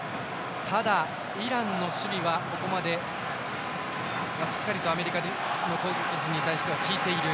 ただ、イランの守備はここまでしっかりとアメリカの攻撃陣に対しては効いている。